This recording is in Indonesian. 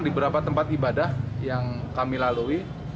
di beberapa tempat ibadah yang kami lalui